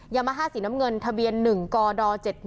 ยามาฮ่าสีน้ำเงินทะเบียน๑กด๗๗